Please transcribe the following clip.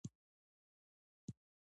افغانستان کې د ننګرهار په اړه زده کړه کېږي.